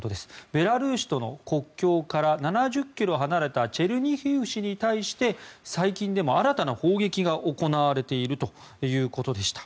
ベラルーシとの国境から７０ｋｍ離れたチェルニヒウ市に対して最近でも新たな砲撃が行われているということでした。